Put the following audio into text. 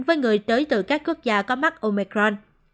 với người tới từ các quốc gia có mắt omicron